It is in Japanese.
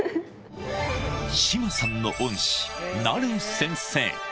志麻さんの恩師、ナレ先生。